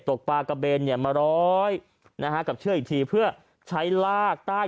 ตกปลากระเบนเนี่ยมาร้อยนะฮะกับเชือกอีกทีเพื่อใช้ลากใต้